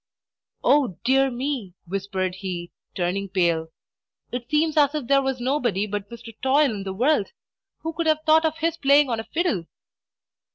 "Oh, dear me!" whispered he, turning pale, "it seems as if there was nobody but Mr. Toil in the world. Who could have thought of his playing on a fiddle!"